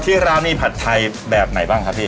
ที่ร้านมีผัดไทยแบบไหนบ้างครับพี่